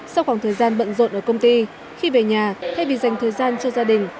sau khoảng thời gian bận rộn ở công ty khi về nhà thay vì dành thời gian cho gia đình